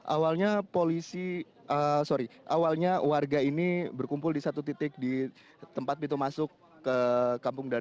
awalnya polisi sorry awalnya warga ini berkumpul di satu titik di tempat pintu masuk ke kampung